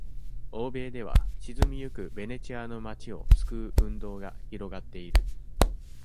欧米では、沈みゆくベネチアの町を救う運動が広がっている。